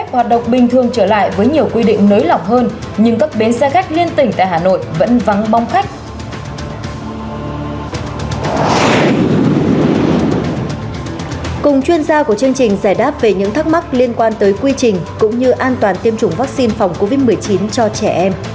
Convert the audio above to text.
các bạn hãy đăng ký kênh để ủng hộ kênh của chúng mình nhé